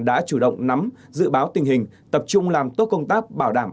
đã chủ động nắm dự báo tình hình tập trung làm tốt công tác bảo đảm